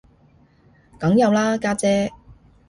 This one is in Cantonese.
梗有啦家姐